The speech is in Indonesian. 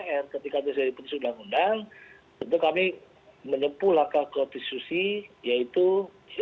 ketika sudah di petisudang undang tentu kami menyempuh laka laka ke otis susi yaitu cr ke mk